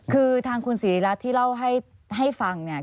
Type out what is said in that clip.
คือทางคุณศรีรัตน์ที่เล่าให้ฟังเนี่ย